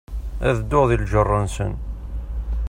Ad dduɣ di lğerra-nsen.